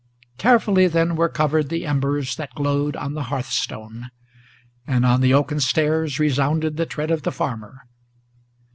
Carefully then were covered the embers that glowed on the hearth stone; And on the oaken stairs resounded the tread of the farmer.